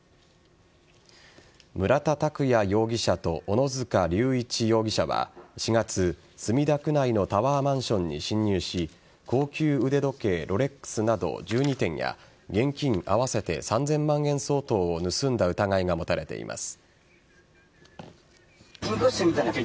村田拓也容疑者と小野塚隆一容疑者は４月墨田区内のタワーマンションに侵入し高級腕時計・ロレックスなど１２点や現金合わせて３０００万円相当を盗んだ疑いが持たれています。